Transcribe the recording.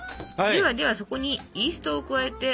ではではそこにイーストを加えて。